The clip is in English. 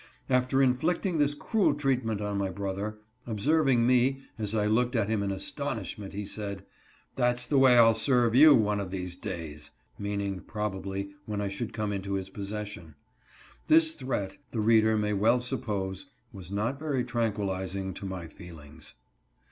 After inflicting this cruel treatment on my brother, observing me, as I looked at him in astonish ment, he said, " That's the way I'll serve you, one of these days "; meaning, probably, when I should come into his possession. This threat, the reader may well suppose, was not very tranquilizing to my feelings.